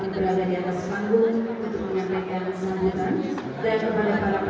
terima kasih pak